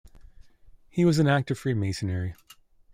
He was an active Freemasonry.